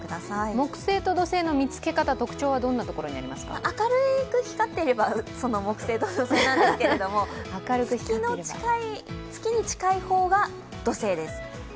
木星と土星の見つけ方特徴はどんなところにありますか明るく光っていれば木星と土星なんですけれども、月に近い方が土星です。